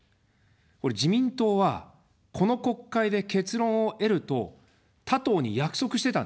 これ、自民党はこの国会で結論を得ると他党に約束してたんですね。